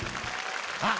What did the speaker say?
あっ。